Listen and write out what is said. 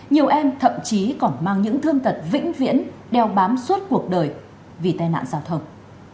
nhiều em thậm chí còn mang những thương tật vĩnh viễn đeo bám suốt cuộc đời vì tai nạn giao thông